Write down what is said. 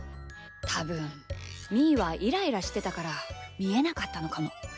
たぶんみーはイライラしてたからみえなかったのかも。